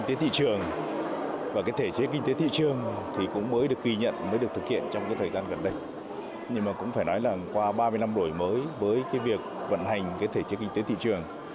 trong thời gian gần đây nhưng mà cũng phải nói là qua ba mươi năm đổi mới với cái việc vận hành cái thể chế kinh tế thị trường